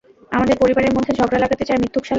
আমাদের পরিবারের মধ্যে ঝগড়া লাগাতে চায়, মিথ্যুক শালা।